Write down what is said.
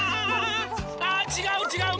あちがうちがう！